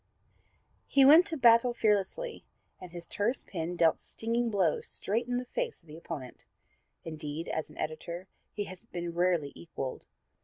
He went to battle fearlessly, and his terse pen dealt stinging blows straight in the face of the opponent. Indeed, as an editor he has been rarely equaled.